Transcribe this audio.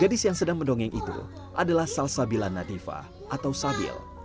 gadis yang sedang mendongeng itu adalah salsabila nadifa atau sabil